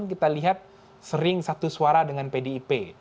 kita lihat sering satu suara dengan pdip